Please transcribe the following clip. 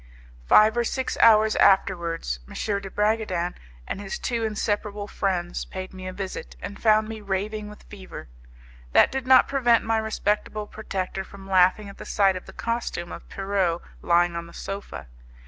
Five or six hours afterwards, M. de Bragadin and his two inseparable friends paid me a visit, and found me raving with fever. That did not prevent my respectable protector from laughing at the sight of the costume of Pierrot lying on the sofa.